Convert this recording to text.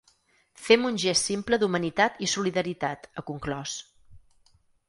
Fem un gest simple d’humanitat i solidaritat, ha conclòs.